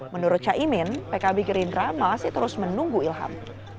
menurut caimin pkb gerindra masih terus menunggu ilham